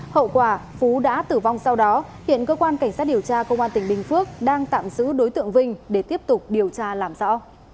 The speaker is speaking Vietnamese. hậu quả phú đã tử vong sau đó hiện cơ quan cảnh sát điều tra công an tỉnh bình phước đang tạm giữ đối tượng vinh để tiếp tục điều tra làm rõ